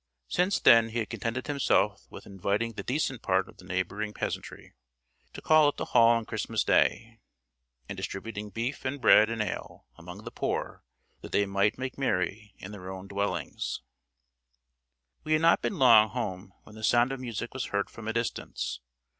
Since then he had contented himself with inviting the decent part of the neighbouring peasantry to call at the hall on Christmas day, and distributing beef, and bread, and ale, among the poor, that they might make merry in their own dwellings. We had not been long home when the sound of music was heard from a distance.